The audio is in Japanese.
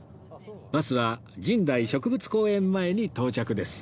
バスは神代植物公園前に到着です